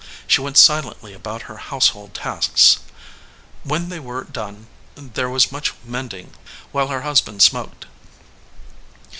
She went silently about her household tasks. When they were done there was much mending while her husband smoked.